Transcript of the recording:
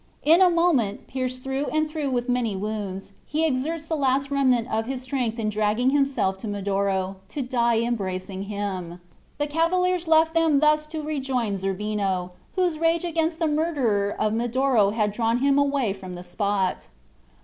In a moment, pierced through and through with many wounds, he exerts the last remnant of his strength in dragging himself to Medoro, to die embracing him. The cavaliers left them thus to rejoin Zerbino, whose rage against the murderer of Medoro had drawn him away from the spot.